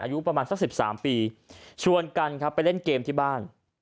อายุประมาณสัก๑๓ปีชวนกันครับไปเล่นเกมที่บ้าน